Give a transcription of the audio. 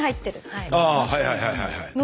はいはいはいはい。